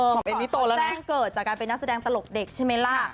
หม่อมเอ็มนี่โตแล้วนะก่อนเขาแจ้งเกิดจากการเป็นนักแสดงตลกเด็กใช่ไหมล่ะ